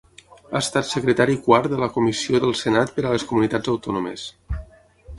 Ha estat secretari quart de la Comissió del Senat per a les Comunitats Autònomes.